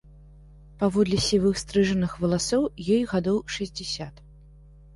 Паводле сівых стрыжаных валасоў ёй гадоў шэсцьдзесят.